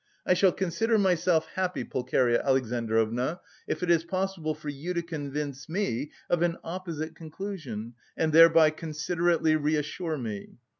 I shall consider myself happy, Pulcheria Alexandrovna, if it is possible for you to convince me of an opposite conclusion, and thereby considerately reassure me.